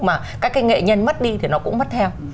mà các cái nghệ nhân mất đi thì nó cũng mất theo